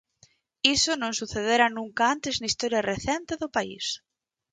Iso non sucedera nunca antes na historia recente do país.